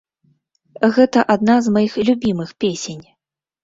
Гэта адна з маіх любімых песень.